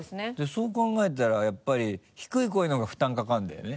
そう考えたらやっぱり低い声の方が負担かかるんだよね？